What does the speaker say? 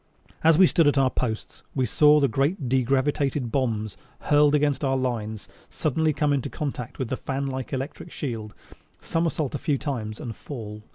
As we stood at our posts, we saw the great degravitated bombs hurtled against our lines suddenly come into contact with the fan like electric field, somersault a few times and fall.